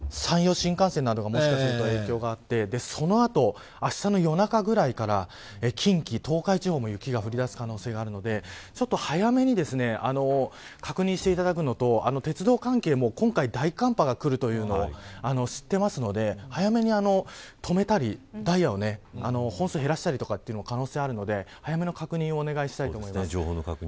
最初に山陽新幹線などがもしかしたら影響があってその後、あしたの夜中ぐらいから近畿、東海地方も雪が降り出す可能性があるのでちょっと早めに確認していただくのと鉄道関係も今回大寒波が来るというの知っているので早めに止めたり、ダイヤを本数減らしたりという可能性もあるので早めの確認をお願いしたいと思います。